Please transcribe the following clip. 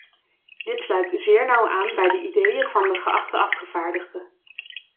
Dit sluit zeer nauw aan bij de ideeën van de geachte afgevaardigde.